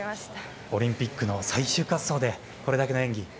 オリンピックの最終滑走でこれだけの演技。